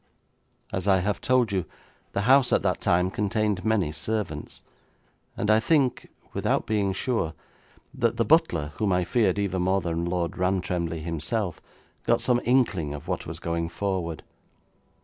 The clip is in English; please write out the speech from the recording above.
'As I have told you, the house at that time contained many servants, and I think, without being sure, that the butler, whom I feared even more than Lord Rantremly himself, got some inkling of what was going forward.